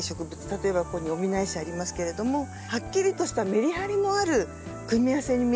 例えばここにオミナエシありますけれどもはっきりとしたメリハリのある組み合わせに見えますよね。